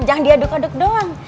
jangan diaduk aduk doang